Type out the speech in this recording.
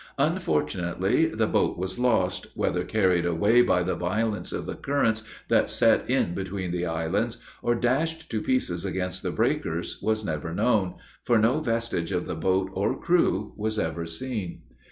Unfortunately the boat was lost whether carried away by the violence of the currents that set in between the islands, or dashed to pieces against the breakers, was never known, for no vestige of the boat or crew was ever seen.